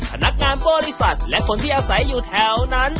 พนักงานบริษัทและคนที่อาศัยอยู่แถวนั้น